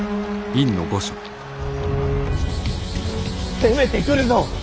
攻めてくるぞ。